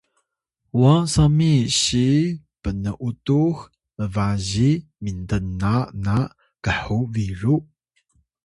wa sami si pn’utux mbaziy mintna na khu biru